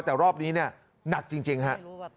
แต่รอบนี้เนี่ยหนักจริงฮะ